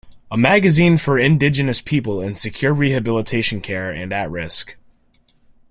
A magazine for Indigenous people in secure rehabilitation care and at risk.